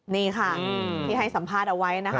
นี่ค่ะที่ให้สัมภาษณ์เอาไว้นะคะ